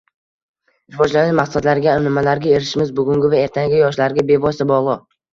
Rivojlanish maqsadlariga nimalarga erishishimiz bugungi va ertangi yoshlarga bevosita bogʻliq.